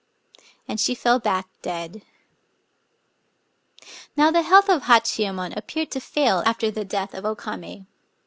And she fell back dead. Now the health qf Hachiyemon appeared to fail after the death of O Kame.